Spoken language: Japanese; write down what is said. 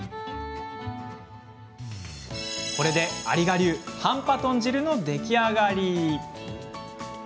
これで、有賀流ハンパ豚汁の出来上がり。